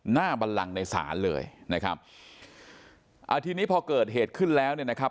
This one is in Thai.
บันลังในศาลเลยนะครับอ่าทีนี้พอเกิดเหตุขึ้นแล้วเนี่ยนะครับ